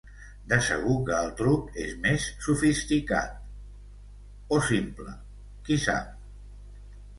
De segur que el truc és més sofisticat… o simple, qui sap.